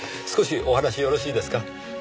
少しお話よろしいですか？